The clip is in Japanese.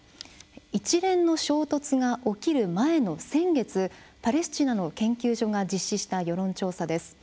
一連の衝突が起きる前の先月パレスチナの研究所が実施した世論調査です。